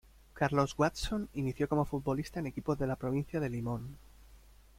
Carlos Watson inició como futbolista en equipos de la provincia de Limón.